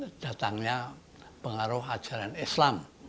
dan dipercaya dengan pengaruh ajaran islam